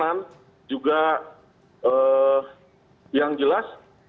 dan juga yang jelas